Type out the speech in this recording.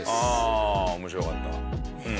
ああ面白かった。